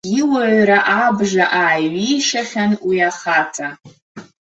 Иуаҩра абжа ааиҩишахьан уи ахаҵа.